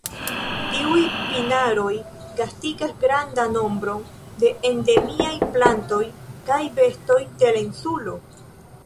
Tiuj pinaroj gastigas grandan nombron de endemiaj plantoj kaj bestoj de la insulo.